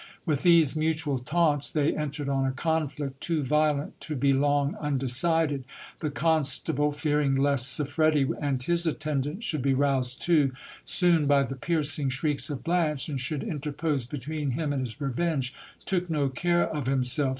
With these mutual taunts, they entered on a conflict, too violent to be long undecided. The constable, fearing lest Siffredi and his attendants should be roused too soon by the piercing shrieks of Blanche, and should interpose between him and his revenge, took no care of himself.